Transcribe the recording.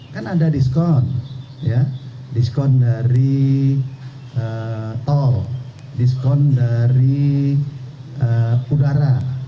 kan ada diskon diskon dari tol diskon dari udara